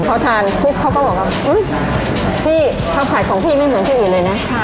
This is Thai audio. เขาทานปุ๊บเขาก็บอกว่าพี่ข้าวผัดของพี่ไม่เหมือนที่อื่นเลยนะ